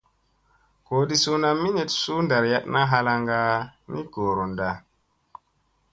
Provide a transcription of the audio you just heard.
Goodi suuna miniɗ su ɗaryaɗna halaŋga ni gooron da.